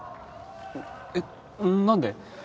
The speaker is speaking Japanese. えっ何で？